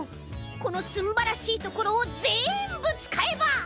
このすんばらしいところをぜんぶつかえば。